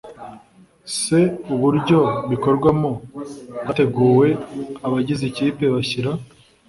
c uburyo bikorwamo bwateguwe abagize ikipe bashyira